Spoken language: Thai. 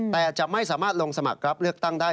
แต่จะไม่สามารถลงสมัครรับเลือกตั้งได้